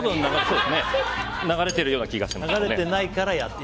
流れてるような気がしますね。